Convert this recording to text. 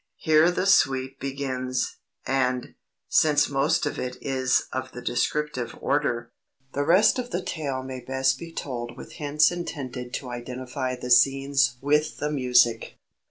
Here the suite begins, and, since most of it is of the descriptive order, the rest of the tale may best be told with hints intended to identify the scenes with the music.